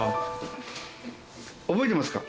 覚えてますか？